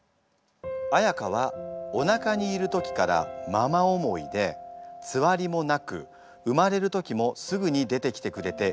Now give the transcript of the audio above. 彩歌はおなかにいる時からママ思いでつわりもなく産まれる時もすぐに出てきてくれて優しい子でした。